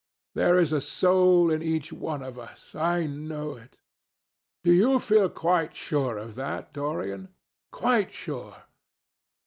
There is a soul in each one of us. I know it." "Do you feel quite sure of that, Dorian?" "Quite sure."